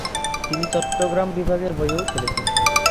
তিনি চট্টগ্রাম বিভাগের হয়েও খেলছেন।